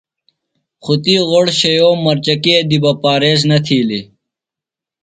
خو تی غوۡڑ شِیوم مرچکے دی بہ پاریز نہ تِھیلیۡ۔